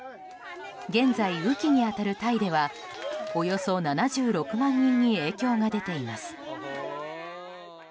現在、雨季に当たるタイではおよそ７６万人に影響が出ています。